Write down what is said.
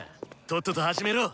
とっとと始めろ。